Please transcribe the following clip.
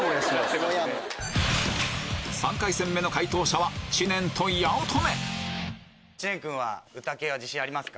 ３回戦目の解答者は知念君は歌系は自信ありますか？